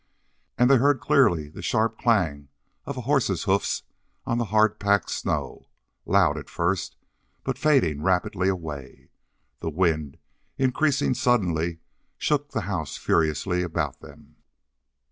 And they heard clearly the sharp clang of a horse's hoofs on the hard packed snow, loud at first, but fading rapidly away. The wind, increasing suddenly, shook the house furiously about them.